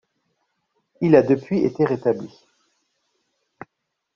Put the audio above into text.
Il a depuis été rétabli.